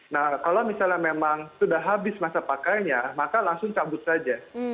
nah kalau misalnya memang sudah habis masa pakainya maka langsung cabut saja